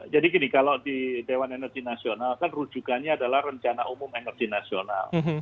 jadi gini kalau di dewan energi nasional kan rujukannya adalah rencana umum energi nasional